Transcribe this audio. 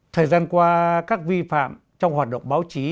thời gian qua các vi phạm trong hoạt động báo chí